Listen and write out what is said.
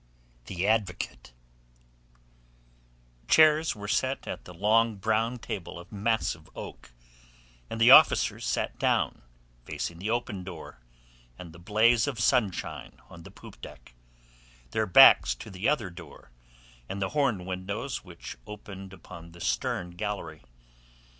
THE ADVOCATE Chairs were set at the long brown table of massive oak, and the officers sat down, facing the open door and the blaze of sunshine on the poop deck, their backs to the other door and the horn windows which opened upon the stern gallery.